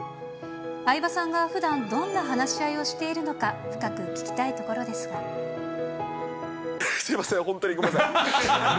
相葉さんがふだん、どんな話し合いをしているのか、深く聞きたいすみません、本当にごめんなさい。